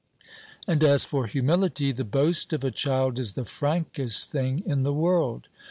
And as for humility, the boast of a child is the frankest thing in the world.